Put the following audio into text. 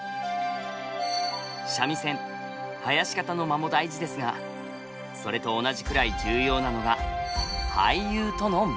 三味線囃子方の間も大事ですがそれと同じくらい重要なのが俳優との間。